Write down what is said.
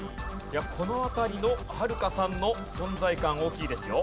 この辺りのはるかさんの存在感大きいですよ。